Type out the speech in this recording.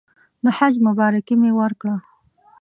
د حج مبارکي مې ورکړه.